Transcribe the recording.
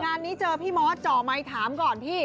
งานนี้เจอพี่มอสจ่อไมค์ถามก่อนพี่